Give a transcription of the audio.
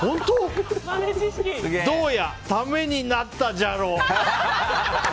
どうや、ためになったじゃろう。